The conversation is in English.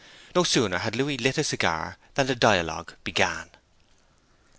No sooner had Louis lit a cigar than the dialogue began.